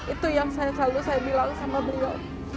itu yang selalu saya bilang sama beliau